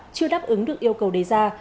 chưa đáp ứng được yêu cầu đề ra